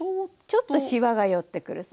ちょっとしわが寄ってくる。